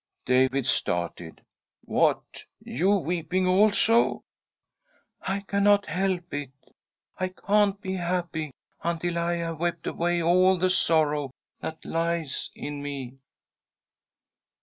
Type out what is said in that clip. David started. " What ! you weeping also?" ."I cannot help it ! I can't be happy until I have wept away all the sorrow that lies in me.